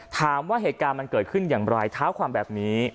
ถามว่าเหตุการณ์มันเกิดขึ้นอย่างไรเท้าความแบบนี้